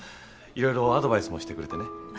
色々アドバイスもしてくれてね。